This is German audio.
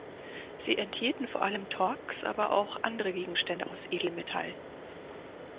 Sie enthielten vor allem Torques, aber auch andere Gegenstände aus Edelmetall.